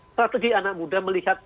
strategi anak muda melihat